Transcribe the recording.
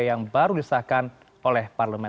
yang baru disahkan oleh parlemen